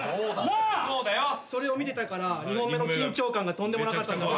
そうだよ。それを見てたから２本目の緊張感がとんでもなかったです。